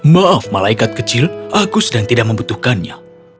maaf malaikat kecil aku sedang tidak membutuhkannya